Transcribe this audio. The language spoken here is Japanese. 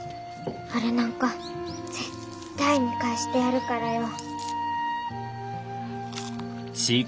あれなんか絶対見返してやるからよ。